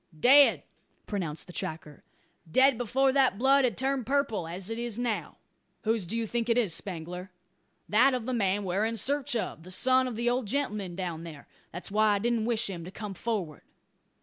"Dead!" pronounced the tracker. "Dead before that blood had turned purple as it is now." "Whose do you think it is, Spangler?" "That of the man we're in search of the son of the old gentleman down there. That's why I didn't wish him to come forward."